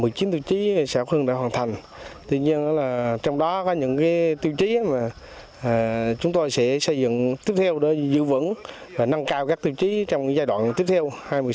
các tiêu chí sẽ không được hoàn thành tuy nhiên trong đó có những tiêu chí mà chúng tôi sẽ xây dựng tiếp theo để giữ vững và nâng cao các tiêu chí trong giai đoạn tiếp theo hai mươi sáu hai nghìn hai mươi